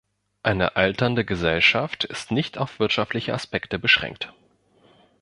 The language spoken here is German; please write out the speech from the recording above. Eine alternde Gesellschaft ist nicht auf wirtschaftliche Aspekte beschränkt.